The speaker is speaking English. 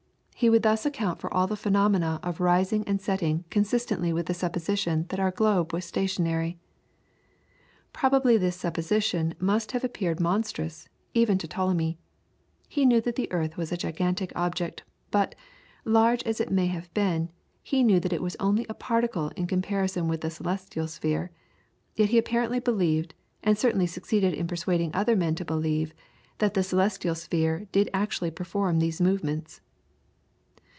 He would thus account for all the phenomena of rising and setting consistently with the supposition that our globe was stationary. Probably this supposition must have appeared monstrous, even to Ptolemy. He knew that the earth was a gigantic object, but, large as it may have been, he knew that it was only a particle in comparison with the celestial sphere, yet he apparently believed, and certainly succeeded in persuading other men to believe, that the celestial sphere did actually perform these movements.